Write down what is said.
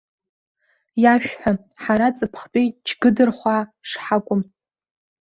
Иашәҳәа, ҳара ҵыԥхтәи џьгыдырхәаа шҳакәым.